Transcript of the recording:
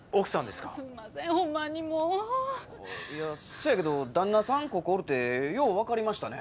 せやけど旦那さんここおるってよう分かりましたね。